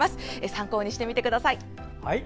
参考にしてみてください。